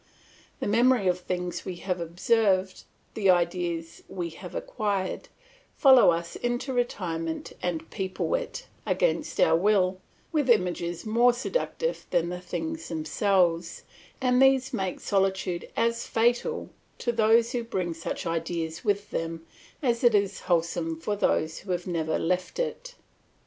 The memory of things we have observed, the ideas we have acquired, follow us into retirement and people it, against our will, with images more seductive than the things themselves, and these make solitude as fatal to those who bring such ideas with them as it is wholesome for those who have never left it.